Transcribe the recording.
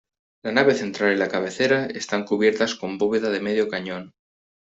La nave central y la cabecera están cubiertas con bóveda de medio cañón.